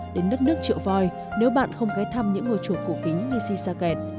đến đất nước triệu voi nếu bạn không ghé thăm những ngôi chùa cổ kính như shishaket